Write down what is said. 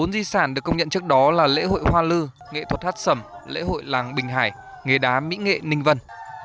bốn di sản được công nhận trước đó là lễ hội hoa lư nghệ thuật hát sầm lễ hội làng bình hải nghề đá mỹ nghệ ninh vân